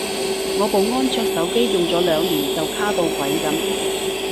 我部安卓手機用咗兩年就卡到鬼噉